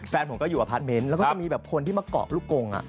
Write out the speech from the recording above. แฟนผมก็อยู่อพาร์ทเมนต์แล้วก็จะมีแบบคนที่มาเกาะลูกกง